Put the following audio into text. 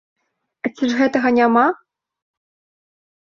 А ці ж гэтага няма?